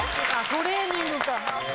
トレーニングか。